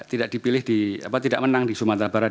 tidak dipilih tidak menang di sumatera barat